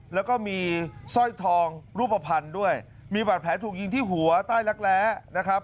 แล้วก็มีสร้อยทองรูปภัณฑ์ด้วยมีบาดแผลถูกยิงที่หัวใต้รักแร้นะครับ